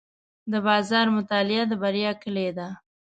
د بازار مطالعه د بریا کلي ده.